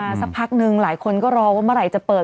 เตียงออกสั้นมาสักพักนึงหลายคนก็รอว่าเมื่อไหร่จะเปิด